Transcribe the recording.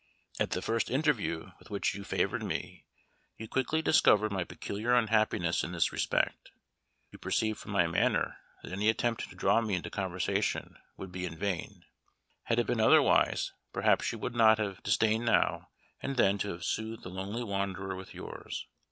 At the first interview with which you favored me, you quickly discovered my peculiar unhappiness in this respect; you perceived from my manner that any attempt to draw me into conversation would be in vain had it been otherwise, perhaps you would not have disdained now and then to have soothed the lonely wanderer with yours.